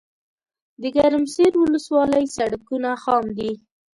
دګرمسیر ولسوالۍ سړکونه خام دي